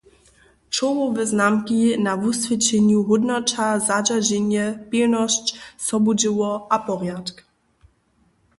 Čołowe znamki na wuswědčenju hódnoća zadźerženje, pilnosć, sobudźěło a porjadk.